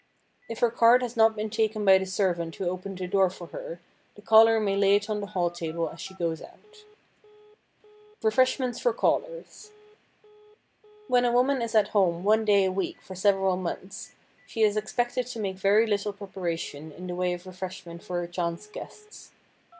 If her card has not been taken by the servant who opened the door for her, the caller may lay it on the hall table as she goes out. [Sidenote: REFRESHMENTS FOR CALLERS] When a woman is at home one day a week for several months, she is expected to make very little preparation in the way of refreshment for her chance guests.